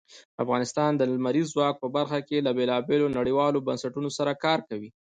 افغانستان د لمریز ځواک په برخه کې له بېلابېلو نړیوالو بنسټونو سره کار کوي.